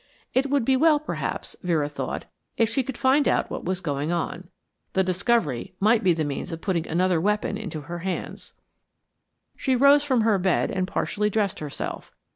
It would be well, perhaps, Vera thought, if she could find out what was going on. The discovery might be the means of putting another weapon into her hands. She rose from her bed and partially dressed herself.